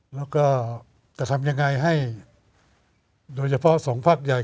แล้วก็จะทำยังไงให้โดยเฉพาะสองพักใหญ่